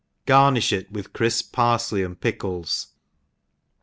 Garnifli it with crifp parflcy and pickles.